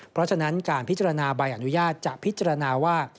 เพราะฉะนั้นการพิจารณาใบอนุญาตจะพิจารณาว่า